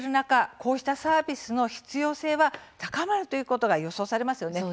こうしたサービスの必要性は高まるということが予想されますよね。